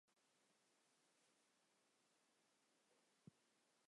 出任陕西承宣布政使司泾阳县知县。